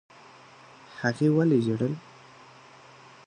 هغې ولي ژړل؟